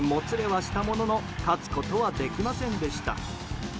はしたものの勝つことはできませんでした。